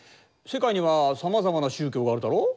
世界にはさまざまな宗教があるだろう？